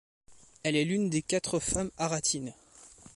Elle est l'une des quatre femmes haratines.